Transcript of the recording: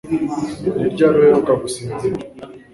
Ni ryari uheruka gusinzira?